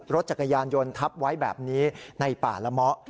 รถจักรยานยนต์ทับไว้แบบนี้ในป่าละเมาะ